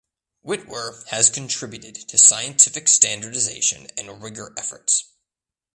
Witwer has contributed to scientific standardization and rigor efforts.